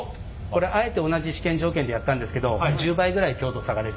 これあえて同じ試験条件でやったんですけどえ！